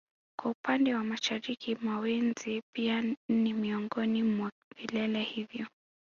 Kwa upande wa mashariki Mawenzi pia ni miongoni mwa vilele hivyo